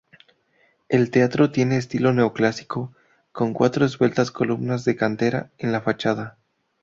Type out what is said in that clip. El teatro tiene estilo neoclásico, con cuatro esbeltas columnas de cantera en la fachada.